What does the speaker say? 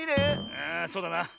ああそうだな。